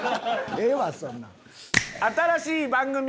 ええわそんなん。